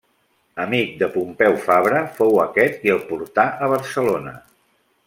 Amic de Pompeu Fabra, fou aquest qui el portà a Barcelona.